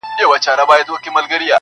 باطل پرستو په مزاج ډېره تره خه یم کنې،